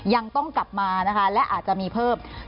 ยังต้องกลับมานะคะและอาจจะมีเพิ่ม